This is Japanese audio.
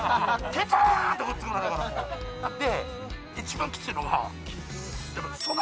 で。